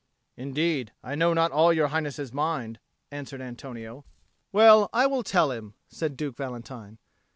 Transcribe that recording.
"Indeed, I know not all your Highness's mind," answered Antonio. "Well, I will tell him," said Duke Valentine.